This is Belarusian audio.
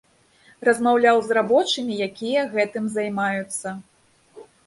Размаўляў з рабочымі, якія гэтым займаюцца.